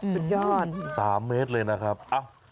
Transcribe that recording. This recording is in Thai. เป็นยอดเลยนะครับโอ้โฮ